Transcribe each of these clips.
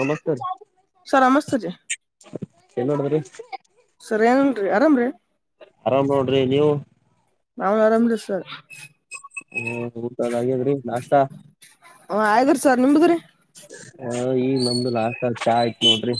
ನಮಸ್ತೆ ರಿ. Sir ನಮಸ್ತೇರಿ [inaudible] A ನಿಡದದ್ರಿ ಸರಿಯಂಗ ರ ಆರಾಮ ರ ಆರಾಮ್ ನೋಡ್ರಿ ನೀವು ನಾನ್ ಆರಾಮ್ ಇದಿವಿ ಸರ್ ಹ್ಮ ಆಗ್ಯದ್ರಿ ನಾಸ್ಟ್ ಆಯ್ದ್ರಿ ಸರ್ ನಿಮ್ದ್ರಿ [inaudible] ಹ ಈಗ ನಮ್ದು ನಾಸ್ಟ್ ಚ ಆಯ್ತು ನೋಡ್ರಿ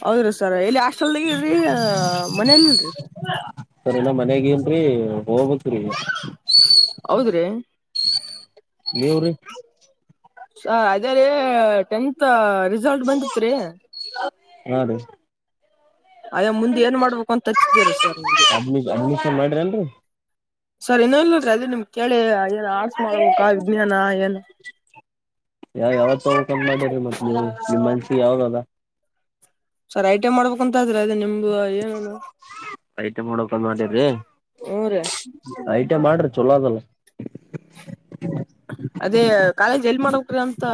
ಹೌಧಾರಿ ಸಾರ ಸರ್ ಇಲ್ಲಿ ಹಾಸ್ಟೆಲಾಗಾ ಇವರಿ ಮನೇಲಿ ಇಲ್ರಿ ಸ ಸರಿಲ್ಲ ಮನೆಗ ಏನ್ರಿ ಹೋಗ್ ಬೇಕ್ ಸರಿ ಹೌದ್ರಿ ದೇವ್ರೀ ಸ ಅದೇ ರ ಟೆಂತ್ ರಿಸಲ್ಟ್ ಬಂದಿತ್ ರೀ ಹಾ ರೀ ಅಯ್ಯ ಮುಂದೆ ಏನ್ ಮಾಡ್ಬೇಕು ಅಂತ ಹಚ್ಚಿದಾರ ಸರ್ ನಿಮ್ಗೆ ಅ ನ [unintelligible] ಎಲ್ರು ಸರ್ ಇನ್ನಲ್ಲರಿ ಅಲ್ಲಿ ನಿಮ ಕೇಳಿ ಏನ್ ಆರ್ಟ್ಸ್ ಮಾಡ್ಬೇಕಾ ವಿಜ್ಞಾನ ಏನು ಯಾವ ಯಾವತ್ ತೋರ್ಕಮ್ ಮಾಡ್ಯ್ರರಿ ಮತ್ತ ನೀ ನಿಮ್ಮ್ ಮನ್ಸಿಗೆ ಯಾವ್ದದ ಸರಿ ಐಟಿ ಮಾಡ್ಬೇಕುಂತ ಆದ್ರದ ನಿಮ್ದು ಏನನು ಐಟಐ ಮಾಡೋಡಕಂದ ಮಾಡೇರಿ ಹ್ಞೂ ರೀ ಷ್ಟ ಮಾಡ್ರಿ ಚೊಲೋ ಅದಲ್ಲ ಅದೇ ಕಾಲೇಜ್ ಎಲ್ ಮಾಡಬೇಕ್ ರಿ ಅಂತ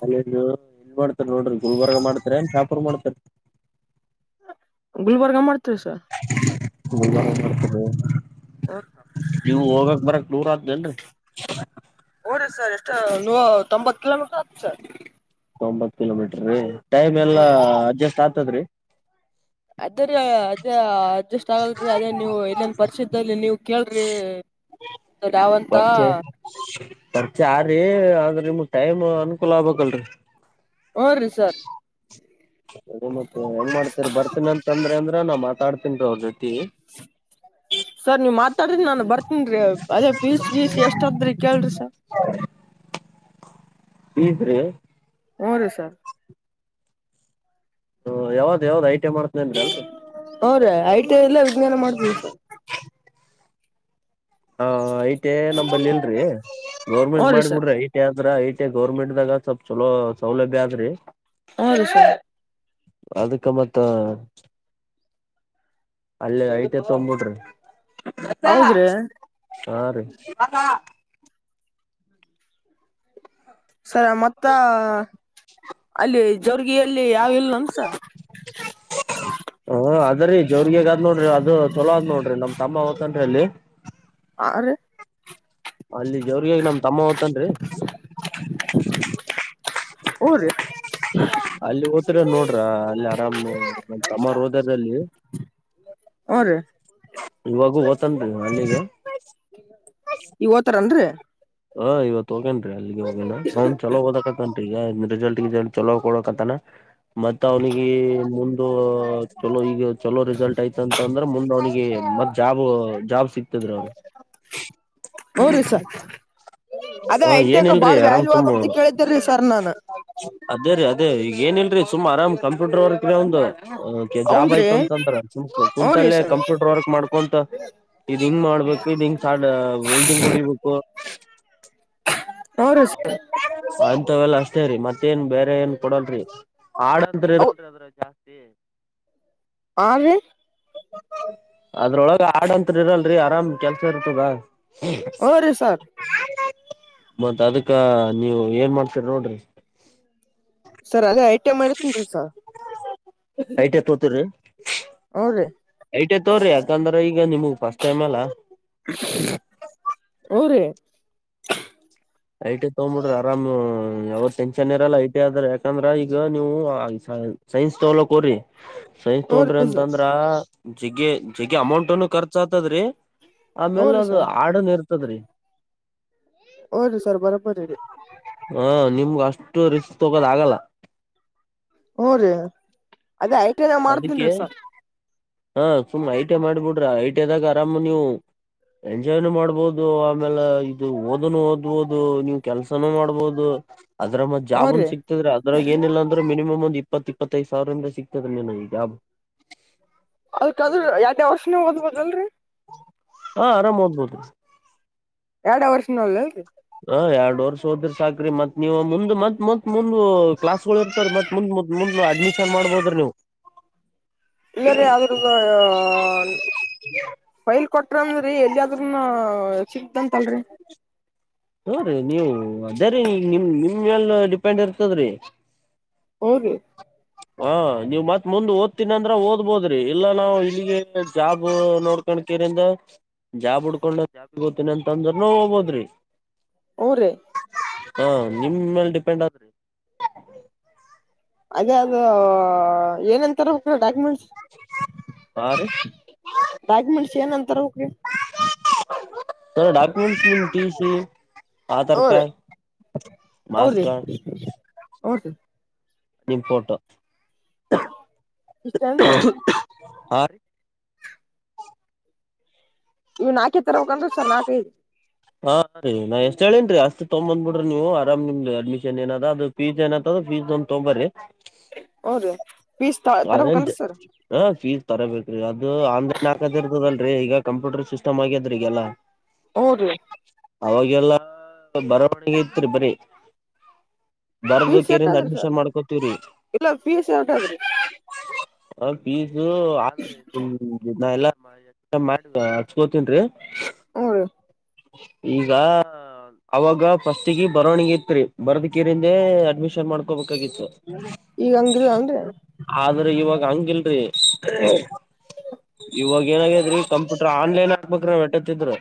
ಕಾಲೇಜ್ ಎನ್ ಮಾಡ್ತಾರಿ ನೋಡ್ರಿ ಗುಲ್ಬರ್ಗ ಮಾಡ್ತಾರ ಶಾಪರ್ ಮಾಡ್ತಾರ ಗುಲ್ಬರ್ಗ ಮಾಡ್ತ [unintelligible] ಬರ್ತದೆ ನೀವು ಹೋಗಕ್ ಬರಕ್ ದೂರತೆನ್ರಿ ಹೋ ರಿ ಸರ್ ಎಷ್ಟ ನ ತೊಂಬತ್ ಕಿಲೋಮೀಟರ್ ಸ [inaudible] ತೊಂಬತ್ತುಕಿಲೋಮೀಟರ್ ರೀ ಟೈಮ್ ಎಲ್ಲ ಅಡ್ಜಸ್ಟ್ ಆ ಹದ್ರಿ ಅದರ ಅದ ಅಡ್ಜಸ್ಟ್ ಆಗಲ್ರಿ ಅದೇ ನೀವು ಇಲ್ಲಿನ್ ಪರಿಚಿತಲ್ಲಿ ನೀವು ಕೇಳ್ರಿ ಯಾವಂತ ಪರಿಚೆ ಪರಿಚೆಯಾರಿ ನಿಮ ಟೈಮ್ ಅನುಕೂಲ ಆಗಬೇಕಲ್ರಿ ಊ ರೀ ಸರ್ ಅ ಮತ್ತೆ ಹೆಂಗ್ ಮಾಡ್ತರಿ ಬರ್ತೀನಿ ಅಂತ ಅಂದ್ರೆ ಅಂದ್ರೆ ನಾ ಮಾತಾಡ್ತನ ರ ಅವರ ಜತಿ. ಸರ್ ನೀವ್ ಮಾತಾಡ್ರಿ ನಾನನ್ ಬರ್ತೀನ್ ಅದೇ ಪೀಸ್ ಗೀಸ್ ಎಷ್ಟದ್ರಿ ಕೇಳ್ರಿ ಸರ್. ಪೀಸ್ ರಿ ಹು ರೀ ಸರ್. ಹ ಯಾವ್ದ ಯಾವ್ದ್ ಐ ಟಿ ಐ ಮಾಡ್ತನೇನ್ರಿ ಅಲ್ರಿ ಅವ್ರೇ ಐಟಿ ಐ ಎಲ್ಲ ವಿಜ್ಞಾನ ಮಾಡತಿವಿ ಸರ್. ಹ ಐ ನಂಬಲ್ಲಿ ಇಲ್ರೀ ಹ್ಞ ಗೋರ್ಮೆಂಟ್ ರೀ ಸರ್ ಮಾಡ್ಬಿಡ್ರಿ ಐಟಿ ಆದ್ರ ಐ ಮತ್ತೆ ಗೌರ್ಮೆಂಟ್ ದಾಗ ಸ್ವಲ್ಪ್ ಚಲೋ ಸೌಲಭ್ಯ ಆದ್ರಿ. ಹ ರಿ ಸರ್. ಅದಕ್ಕೆ ಮತ್ತ ಅಲ್ಲೇ ಐತ್ ತಂಬಡ್ರಿ. ಪ್ಯ. ಹೌದ್ರಿ [unintelligible] ಹಾ ರಿ ಮಗ ಸರಿ ಮತ್ತ ಅಲ್ಲಿ ಜೋರ್ಗಿಯಲ್ಲಿ ಯಾವ ಇಲ್ಲಂಸ. ಹ ಅದ್ರೀ ಜೋರುನ್ಯಾಗ ಆದ್ ನೋಡ್ರಿ ಅದು ಚೊಲೋ ಆದ್ ನೋಡ್ರಿ ನಮ್ ತಮ್ಮ ಓತ್ತನ್ರಿ ಅಲ್ಲಿ. ಆರೆ. ಅಲ್ಲಿ ಜವ್ರಗೆ ನಮ್ ತಮ್ಮ ತನ್ರಿ. ಊ ರೀ. ಅಲ್ಲಿ ಹೋದ್ರ ನೋಡ್ರ ಅಲ್ಲಿ ಆರಾಮ ನಮ್ ತಮ್ಮರು ಹೋದರ್ ಅಲ್ಲಿ. ಹು ರಿ. ಇವಾಗೂ ಓತ್ತನ್ದ್ದು ಅಲ್ಲಿಗೆ ಇ ಓತರನ್ರಿ. ಹ ಇವತ್ತು ಹೋಗೇಂದ್ರಿ. ಅಲ್ಲಿಗಲ್ಲಿ ಸೌಂಡ್ ಚಲೋ ಮಡಕತನ ಈಗ ಮಿಡಗಲ್ ರಿಸಲ್ಟ್ ಚಲೋ ಕೊಡೋಕುಆತ್ತಣ. ಮತ್ತ್ ಅವ್ನಿಗೆ ಮುಂದೆ ಚಲೋ ಈಗ ಚಲೋ ರಿಸಲ್ಟ್ ಆಯ್ತು ಅಂತ ಅಂದ್ರೆ ಮುಂದೆ ಅವ್ನಿಗೆ ಮತ್ ಜಾಬ್ ಜಾಬ್ ಸಿಕ್ತದ್ರ ಅವನ್ ಹ್ಞ ರೀ ಸರ್ ಅದೇ ಸರ್ ಏನ್ ಐಟೆಕ್ ಇಲ್ರಿ ಬಾಳ ಆರಾಮ್ ವ್ಯಾಲ್ಯೂ ಸುಮ್ ಆದಂತ ಕೇಳಿದ್ದೇರಿ ಸರ್ ನಾನು ಅದೇ ರೀ ಅದೇ ಏನ್ ಇಲ್ರಿ ಸುಮ್ ಆರಾಮ್ ಕಂಪ್ಯೂಟರ್ ಒಂದು ಜಾಬ್ ಆಯ್ತ ಹೌನ್ರಿ ಅಂತಂದ್ರಂ ಹೂ ರೀ ಕುಂತಲ್ಲೇ ಸರ್ ಕಂಪ್ಯೂಟರ್ ವರ್ಕ್ ಮಾಡ್ಕೊಂತ ಇದನ್ನು ಮಾಡ್ಬೇಕು ವೆಲ್ಡಿಂಗ್ ಹೊಡಿಬೇಕು ಹು ರಿ ಸರ್. ತಲ ಅಷ್ಟೇ ರೀ ಮತ್ತೇಏನ್ ಬೇರೆ ಏನ್ ಕೊಡಲ್ರರಿ. ಹಾಡ್ ತದೇನ್ರಿ ಅದ್ರಾಗ ಹ್ಮ ಆ ರೀ ಅದ್ರೊಳಗ ಆಡಂತ್ರಿ ಇರಲ್ರಿ ಆರಾಮ್ ಕೆಲ್ಸ ಇರ್ತದಾ. ಹ್ಮ ಹೂ ರೀ ಸರ್ ಮತ್ತ ಅದಕ್ಕ ನೀವು ಏನ್ ಮಾಡ್ತೀರಿ ನೋಡ್ರಿ ಕಣ್ಣು ಉರಿತಿದೆ ಸಾರ್ ಐಟೆ ತೋತಿರಿ ಹೌದು ಪ ಐಟೆ ತೋರಿ ಯಾಕಂದ್ರೆ ಈಗ ನಿಮಗ್ ಫಸ್ಟ್ ಟೈಮ್ ಅಲ್ಲ ಹೂ ರೀ ಐ ಟಿ ತಗ್ಬಿಡ್ರಿ ಆರಾಮ್ ಯಾವ್ರ ಟೆನ್ಷನ್ ಇರಲ್ಲ ಐ ಟಿ ಆದ್ರ ಯಾಕಂದ್ರೆ ಈಗ ನೀವು ಸೈನ್ಸ್ ತೊಗಲಕೋಡ್ರಿ. ಸೈನ್ಸ್ ಹೂ ತೊಂಡ್ರಿ ರೀ ಸರ್ ಅಂತಂದ್ರ ಜಗ್ಗಿ ಜಗ್ಗಿ ಅಮೌಂಟ್ನು ಖರ್ಚ ಆಗತದ್ರೀ. ಹೂ ಆಮೇಲೆ ರೀ ಅದು ಸರ್ ಆಡನ್ ಇರ್ ತದ ರಿ ಹು ರೀ ಸರ್ ಬರಬರಿ ರಿ ಹಾ ನಿಮ್ಗ ಅಷ್ಟು ರಿಸ್ಕ್ ತಗೋದ ಆಗಲ್ಲ. [unintelligible] ಅದೇ ಐಟಿಐ ಮಾಡ್ತನ್ ರೀ ಸರ್. ಹಾ ಸುಮ್ನೆ ಐ ಟಿಐ ಮಾಡಿಬಿಡ್ರಿ ಐ ಟಿಐದಾಗ ಆರಾಮ್ ನೀವು ಎಂಜಾಯ್ನು ಮಾಡ್ಬೋದು ಆಮೇಲೆ ಇದು ಓದನು ಓದ್ ಬಹುದು, ನೀವ್ ಕೆಲ್ಸನು ಮಾಡ್ಬೋದು. ಅದ್ರ ಮತ್ ಹ್ಞೂ ಜಾಬ್ ಅನ್ ರೀ ಸಿಕ್ತದ ಅದ ಏನಿಲ್ಲ ಅಂದ್ರೆ ಮಿನಿಮ್ ಒಂದ್ ಇಪ್ಪತ್ತ ಇಪ್ಪತ್ತೈದು ಸಾವಿರ್ರ ಸಿ ಕ ಜಾಬ್ [unintelligible] ಅದಕ್ಕಂದ್ರೆ ಎರಡೇ ವರ್ಷನೇ ಓದ್ಬೋದಲ್ರಿ ಹಾ ಆರಾಮ್ ಹೋಗ್ಬೋದು ಎರಡು ವರ್ಷದನಳ್ಳ ಅಲ್ರ. ಹ ಎರಡ್ ವರ್ಷ ಹೋದ್ರಿ ಸಾಕ್ರರಿ ಮತ್ ನೀವು ಮುಂದ್ ಮತ್ ಮತ್ ಮುಂದ ಕ್ಲಾಸ್ ಗಳು ಇರ್ತರಿ ಮತ್ ಮುಂದ್ ಮು ಅಡ್ಮಿಷನ್ ಮಾಡ್ಬೋದ್ರಿ ನೀವು. ಇಲ್ಲ ರೀ ಅದ್ರ ಫೈಲ್ ಕೊಟ್ರಂದ್ರಿ ಎಲ್ಲಿಯಾದ್ರೂನ್ನ ಹದು [inaudible] ಹು ರಿ ನೀವು ಅದೇ ರೀ ನೀಗ ನಿಮ ನಿಮಲ್ಲ ಡಿಪೆಂಡ್ ಇರ್ತದ್ರಿ. ಊ ರಿ ಹಾ ನೀವ ಮತ್ ಮುಂದ್ ಓದ್ತೀನ ಅಂದ್ರ ಓದ್ಬೋದ್ರಿ ಇಲ್ಲಾ ನಾವ್ ಇಲ್ಲಿಗೆ ಜಾಬ್ ನೋಡ್ಕೊಂಡಕೇರಿಂದ ಜಾಬ್ ಉಡ್ಕೊಂಡ ಜಾಬ ಓತೀನಿ ಅಂತಂದ್ರನು ಹೋಗ್ಬೋದ್ರಿ. ಊ ರೀ ಹಾ ನಿಮ ಮೇಲ್ ಡಿಪೆಂಡ್ ಆದ್ ಅದೇ ಅದು ಏನಂತರು ಹಾ ಡಾಕ್ಯುಮೆಂಟ್ಸ್ ಹಾ ರೀ ಡಾಕ್ಯುಮೆಂಟ್ಸ್ ಏನ ತರಬಕ್ರಿ ಸರ ಡಾಕ್ಯುಮೆಂಟ್ಸ್ ನಿಮ್ಮ್ ಟಿ ಸಿ ಆಧಾರ್ ಹುಂ ರಿ ಕಾರ್ಡ್ ಹೂ ಮಾಸ್ ರೀ ಕಾರ್ಡ್ ಹೂ ರೀ ನಿಮ ಫೋಟೋ. ಇಷ್ಟ ಅಲ್ರೀ ಹಾ ರೀ ಇವಾ ನಾಕ್ [unintelligible] ಹಾ ರೀ ನಾ ಎಷ್ಟ ಹೇಳೇನ್ರಿ ಅಷ್ಟ ತಗೋ ಬಂದ್ ಬಿಡ್ರಿ ನೀವು ಆರಾಮ್ ನಿಮ್ದ್ ಅಡ್ಮಿಷನ್ ಏನದ ಅದು ಫೀಸ್ ಏನದ ಫೀಸ್ ಒಂದ್ ತೊಂಬಬ್ರಿ [unintelligible] ತರ್ಬೇಕನ್ರಿ ಸರ್ [unintelligible] ಫೀಸ್ ತರ ಬೇಕರಿ ಅದು ಆನ್ಲೈನ್ ಹಾಕದ ಇರ್ತದಲ್ರೀ ಈಗ ಕಂಪ್ಯೂಟರ್ ಸಿಸ್ಟಮ್ ಆಗ್ಯದ್ರ ಈಗೆಲ್ಲಾ. ಹೌದು ಅವಾಗೆಲ್ಲ ಬರವಣಿಗೆ ಇತ್ರಿ ಬರೀ ಬರದ ಫೀಸ್ ಎಟ್ ಕೇರಿಂದ ಅದು ರೀ ಸರ್ ಅಡ್ಮಿಷನ್ ಮಾಡ್ಕೋತೀವ್ರಿ ಇಲ್ಲ ಫೀಸ್ ಎಟದ್ರಿ. ಕಾಫಿ ಇದು ಆದ್ರೆ ಎಲ್ಲ [inaudible] ಎ [inaudible] ಮಾಡ ಹಚ್ಕೋತಿನ್ರಿ ಹ್ಮ ಈಗ ಅವಾಗ ಫಸ್ಟ್ ಗೆ ಬರವಣಿಗೆ ಇತ್ರಿ ಬರದಕಿರಿಂದೆ ಅಡ್ಮಿಷನ್ ಮಾಡ್ತ ಬೇಕಾಗಿತ್ತು ಈಗ ಹಂಗಿಲ್ಲ ಏನ್ರಿ ಅಂದ್ರ ಇವಾಗ ಹಂಗಿಲ್ರಿ ಇವಾಗ ಏನಾಗ್ಯದ್ರಿ ಕಂಪ್ಯೂಟರ್ ಆನ್ಲೈನ್ ಹಾಕ್ಬೇಕ್ರಿ ಏಟೋತಿದ್ರು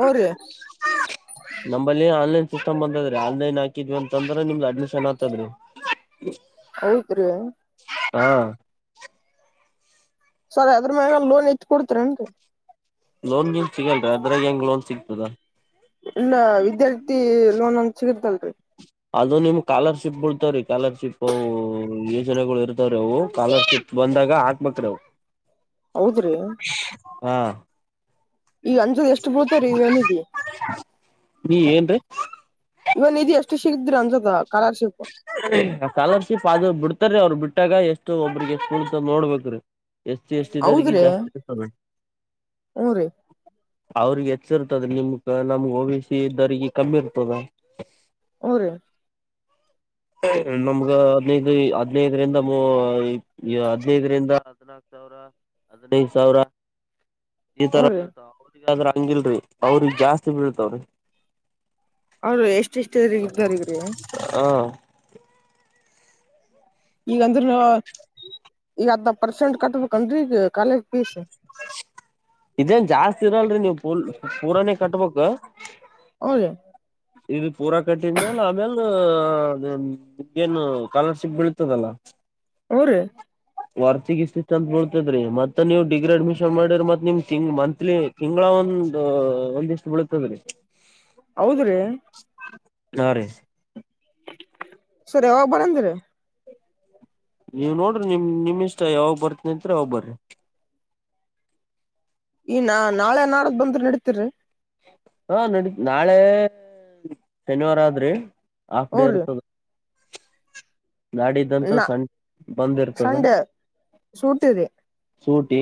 ಹಾ ರೀ [unintelligible] ನಂಬಲ್ಲಿ ಆನ್ಲೈನ್ ಸಿಸ್ಟಮ್ ಬಂದದ್ರೀ ಆನ್ಲೈನ್ ಹಾಕಿದ್ವಿ ಅಂತಂದ್ರ ನಿಮ್ದ್ ಅಡ್ಮಿಶನ್ ಆತದ್ರೀ ಹೌದ್ ರೀ ಹಾ ಸರ್ ಅದ್ರ ಮ್ಯಾಗ ಲೋನ್ ಎತ್ತ್ ಕೊಡ್ತಿರೇನ್ರಿ ಲೋನ್ ಗೀನ್ ಸಿಗಲ್ರಿ ಅದ್ರಾಗ ಹೆಂಗ್ ಲೋನ್ ಸಿಗ್ತದ ಇಲ್ಲ ವಿದ್ಯಾರ್ಥಿ ಲೋನ್ ಅಂತ್ ಸಿಗತ್ತಲ ಹ ಅದು ನಿಮ್ ಸ್ಕಾಲರ್ಶಿಪ್ ಬುಳ್ತಾವ್ರೀ ಸ್ಕಾಲರ್ಶಿಪ್ ಯೋಜನೆಗಳು ಇರ್ತವ್ರೀ ಅವು ಸ್ಕಾಲರ್ಶಿಪ್ ಬಂದಾಗ ಹಾಕ್ಬೇಕ್ರಿ ಅವು ಹೌದ್ರಿ ಹಾ ಈಗ ಅಂಜಾದ್ ಎಷ್ಟು ಬುಳ್ತಾವ್ರೀ ಇವಗ ಅಂದಿದ್ವು ನೀ ಏನ್ರೀ ಯುವ ನಿಧಿ ಎಷ್ಟು ಸಿಗತ್ರೀ ಅಂಜಾದ್ ಸ್ಕಾಲರ್ಶಿಪ್ ಅದು ಬಿಡ್ತಾರೀ ಅವ್ರು ಬಿಡ್ ಬಿಟ್ಟಾಗ ಎಷ್ಟೋ ಒಬ್ಬ್ರಿಗೆ ಎಷ್ಟ್ ಬೀಳ್ತದ ನೋಡ್ಬೇಕ್ರೀ ಎ ಸಿ ಎಸ್ ಟಿದವರಿಗೆ ಹೌದ್ರಿ ಜಾಸ್ತಿ ಬೀಳ್ತಾದ್ರೀ ಹೂ ರೀ ಅವ್ರಿಗೆ ಹೆಚ್ಚ ಇರ್ತದ ನಿಮಗ ನಮ್ಗ ಓಬಿಸಿ ಇದ್ದವರಿಗೆ ಕಮ್ಮಿ ಇರ್ತದ ಹೂ ರಿ ನಮ್ಗ ಹದ್ನೈದು ಹದ್ನೈದರಿಂದ ಹದ್ನೈದರಿಂದ ಹದ್ನಾಕ ಸಾವಿರ ಹದ್ನೈದು ಸಾವಿರ ಈ ಹೂ ತರ ರೀ ಬೀಳ್ತವೆ ಇದಾದ್ರ ಹಂಗಿಲ್ರರಿ ಅವ್ರಿಗ್ ಜಾಸ್ತಿ ಬೀಳತವ್ರಿ ಅವ್ರ ಎಷ್ಟ ಎಷ್ಟ ಇದ್ದಾರಗ್ರಿ ಹ ಈಗ ಅಂದ್ರೆ ಈಗ ಅರ್ಧ ಪರ್ಸೆಂಟ್ ಕಟ್ಬೇಕ ಏನ್ರೀ ಈಗ ಕಾಲೇಜ ಫೀಸ್? ಇದೇನ್ ಜಾಸ್ತಿ ಇರಲ್ರಿ ನೀವು ಫುಲ್ ಪೂರಾನೆ ಕಟ್ಬೇಕು ಹೌದ ಇದು ಪೂರ ಕಟ್ಟಿದ ಮ್ಯಾಲ ಆಮೇಲ್ ನಿಮಗ ಏನು ಸ್ಕಾಲರ್ಶಿಪ್ ಬೀಳತದಲ್ಲ. ಹೂ ರಿ ವರ್ತಿಗ್ ಇಷ್ಟ ಇಷ್ಟ ಅಂತ ಬೀಳ್ತದ್ರಿ ಮತ್ತ ನೀವ್ ಡಿಗ್ರಿ ಅಡ್ಮಿಷನ್ ಮಾಡಿದ್ರ ಮತ್ ನಿಮಗ ತಿಂಗಳ ಮಂತ್ಲಿ ತಿಂಗಳ ಒಂದ ಒಂದಿಷ್ಟ ಬೀಳತದ್ರಿ. ಹೌದ್ರಿ ಹಾ ರೀ ಸರಿ ಯಾವಾಗ ಬರಂದಿರಿ ನೀವ್ ನೋಡ್ರಿ ನಿಮ್ ನಿಮ್ಮಿಷ್ಟ ಯಾವಾಗ ಬರ್ತೀನಂತೀರಿ ಅವಾಗ ಬರ್ರಿ ಈ ನಾ ನಾಳೆ ನಾಡದ ಬಂದ್ರ ನಡಿತ್ರಿ? ಹಾ ನಡಿ ನಾಳೆ ಶನಿವಾರ ಆದ್ರಿ. ಹಾಫ್ ಹ್ಞೂ ಡೇ ರೀ ಇರ್ತದ ನಾಡಿದ್ದಂತ ನಾ ಸಣ್ಣ ಬಂದ್ ಇರ್ತದ ಸಂಡೆ ಸೂಟಿ ರೀ ಸೂಟಿ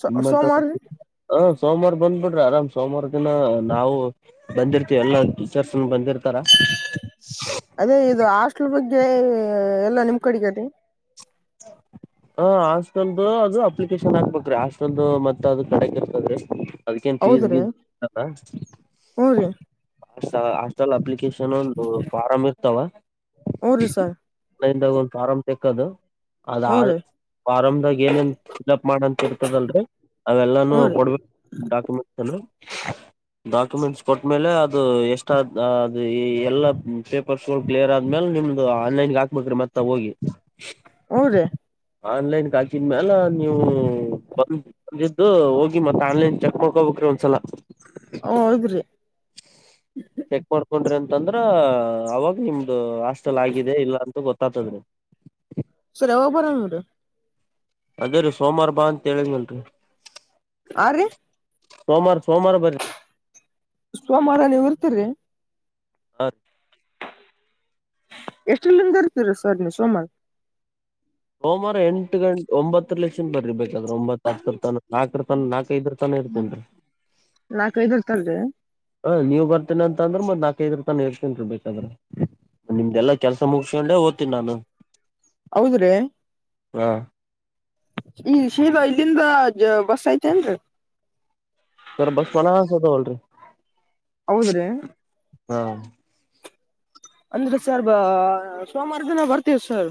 ಸೋ ಮತ್ತ ಸೋಮವಾರ ರೀ ಹ ಸೋಮವಾರ ಬಂದ್ಬಿಡ್ರಿ ಆರಾಮ ಸೋಮವಾರ ದಿನ ನಾವು ಬಂದಿರ್ತಿವಿ ಎಲ್ಲಾ ಟೀಚರ್ಸ್ನ್ ಬಂದಿರ್ತಾರ. ಅದೇ ಇದು ಹಾಸ್ಟೆಲ್ ಬಗ್ಗೆ ಎಲ್ಲ ನಿಮ್ ಕಡೆಗದೆ ಹ ಹಾಸ್ಟೆಲ್ದು ಅದು ಅಪ್ಲಿಕೇಶನ್ ಹಾಕ್ಬೇಕ್ರೀ ಹಾಸ್ಟೆಲ್ದು ಮತ್ತ ಅದು ಕಡೆಕ ಇರ್ತದ್ರಿ. ಅದಕೇನ್ ಫೀಸ್ ಹೌದ್ರಿ ಗೀಸ್ ಹತ್ತಲ್ಲಾ. ಹ್ಞೂ ರೀ ಹಾಸ್ಟಲ್ ಅಪ್ಲಿಕೇಶನ್ ಒಂದು ಫಾರ್ ಇ ತವಾ ಹ್ಞೂ ರೀ ಸರ್ ನಾಗ ಒಂದು ಆರಾಮ ಕದು ಅದ ಹ್ಞೂ ಆ ರೀ ಫಾರ್ಮ್ದಾಗ್ ಏನೇನ್ ಫಿಲ್ಅಪ್ ಮಾಡಂತ ಇರ್ತದಲ್ಲ್ರಿ ಅವೆಲ್ಲಾನೂ ಹ್ಞೂ ರೀ ಕೊಡ್ಬೇಕು ಡಾಕ್ಯುಮೆಂಟ್ಸ್ ಅದು ಡಾಕ್ಯುಮೆಂಟ್ಸ್ ಕೊಟ್ಟ್ಮೇಲೆ ಅದು ಎಷ್ಟಾದ್ ಅದು ಎಲ್ಲ ಪೇಪರ್ಸ್ಗಳು ಕ್ಲಿಯರ್ ಆದ್ಮೇಲೆ ನಿಮ್ದು ಆನ್ಲೈನ್ಗೆ ಹಾಕ್ಬೇಕ್ರೀ ಮತ್ತೆ ಹೋಗಿ ಹುರಿ ಆನ್ಲೈನ್ಗ್ ಹಾಕಿದಮ್ಯಾಲ್ ನೀವು ಬಂದ ಬಂದಿದ್ದು ಹೋಗಿ ಮತ್ತ ಆನ್ಲೈನ್ ಚೆಕ್ ಮಾಡ್ಕೊಬೇಕ್ರಿ ಒಂದ್ಸಲ. ಹ್ ಹೌದ್ರಿ ಚೆಕ್ ಮಾಡ್ಕೊಂಡ್ರ ಅಂತ ತಂದ್ರ ಅವಾಗ ನಿ ಹಾಸ್ಟೆಲ್ ಆಗಿದೆ ಇಲ್ಲ ಅಂತೂ ಗೊತ್ತ ತ್ತತದ್ರಿ ಸರ್ ಯಾವಾಗ ಬರೋದ್ ರಿ ಅದೇ ರೀ ಸೋಮವಾರ ಬಾ ಅಂತ ಹೇಳಿದನಲ್ರಿ ಆ ರಿ ಸೋಮಾರ್ ಸ್ವಮಾರ ನೀವ ಇರ್ತೀರಿ? ಹ ಎಸ್ಟರ್ಲಿಂದ ಇರ್ತೀರಿ ನೀವ್ ಸೋಮಾರ್? ಸೋಮಾರ ಎಂಟು ಗಂಟೆ ಒಂಬತ್ತರ್ ಲೇಶಿಂದ್ ಬರರ್ಬೇಕಾದ್ರೆ ಒಂಬತ್ತು ಹತ್ತರ ತನ ನಾಲ್ಕರ ತನ ನಾಕು ನಾಕ್ ಐದರ್ತನ್ ರಿ ಹಾ ನೀವ್ ಬರ್ತೀನ ಅಂತ ಅಂದ್ರ ನಾಕ್ ಐದರ್ತನ್ ಇರ್ತೀನಿ ಬೇಕಾದ್ರ ನಿಮ್ದೆಲ್ಲಾ ಕೆಲ್ಸ ಮುಗಸ್ಕೊಂಡೆ ಹೋತಿನ್ ನಾನು. ಹೌದ್ರೀ ಹಾ ಈ ಶೀರಾ ಇಲ್ಲಿಂದ ಬಸ್ ಐತೆನ್ರಿ ಸರ್ ಬಸ್ ಮನಸ್ ಅದಾವಲ್ರಿ ಹೌದ್ರೀ ಹಾ ಅಂದ್ರೆ ಸರ್ ಬ ಸೋಮವಾರ ದಿನ ಬರ್ತೀವ ಸರ್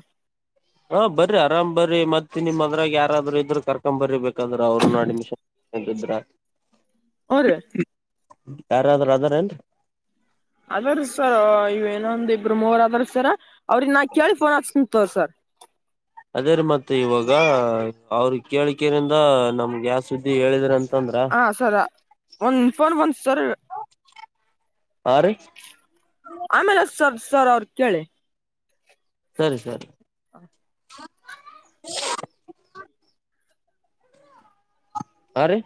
ಹಾ ಬರ್ರಿ ಆರಾಮ್ ಬರ್ರಿ ಮತ್ತ ನಿಮ್ದ್ರಾಗ ಯಾರಾದ್ರೂ ಇದ್ರ ಕರ್ಕೊ್ಬರ್ರಿ ಬೇಕಂದ್ರ ಅವರುನ್ನೂ ಅಡ್ಮಿಷನ್ [unintelligible] ಹುರಿ ಯಾರಾದ್ರೂ ಅದಾರ ಏನ್ ಅದಾರಿ ಸರ್ ಇವ ಏನೊಂದ ಇಬ್ಬರು ಮೂವರ್ ಅದ್ರ ಸರ ಅವ್ರಿಗ ನಾ ಕೇಳಿ ಫೋನ್ ಹೆಚ್ಚತಿನ್ ತೋರ್ ಸರ್ ಅದೇ ರೀ ಮತ್ ಇವಾಗ ಅವ್ರ ಕೇಳಿಕರಿಿಂದ ನಮ್ಗೆ ಯಾವ ಸುದ್ದಿ ಹೇಳಿದ್ರ ಅಂತ ಹ ಸರ್ ಒಂದ ಫೋನ್ ಬಂತ್ ಸರ್ ಹಾ ರೀ ಆಮೇಲೆ ಹಚ್ಚ ಸರ್ ಸರ್ ಅವರೀಗ ಕೇಳಿ ಸರಿ ಸರಿ ಆ ರೀ